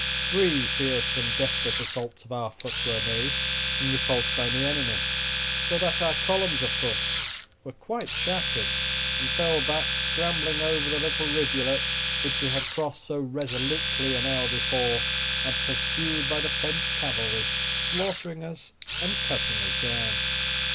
Three fierce and desperate assaults of our foot were made and repulsed by the enemy; so that our columns of foot were quite shattered, and fell back, scrambling over the little rivulet, which we had crossed so resolutely an hour before, and pursued by the French cavalry, slaughtering us and cutting us down.